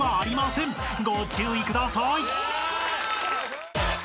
［ご注意ください］